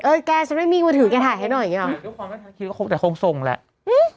เออแกฉันไม่มีมือถือกันถ่ายให้หน่อยอย่างเงี้ยหรอแต่คงส่งแหละอื้อ